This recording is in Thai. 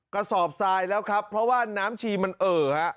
กระสอบทรายแล้วครับเพราะว่าน้ำชีมันเอ่อฮะ